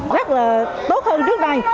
rất là tốt hơn trước đây